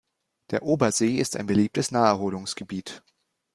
Der Obersee ist ein beliebtes Naherholungsgebiet.